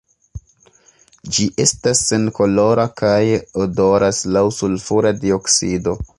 Ĝi estas senkolora kaj odoras laŭ sulfura dioksido.